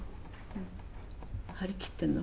張り切ってんの？